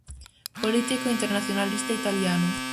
Político internacionalista italiano.